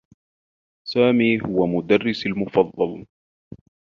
سامي هو مدرّسي المفضّل.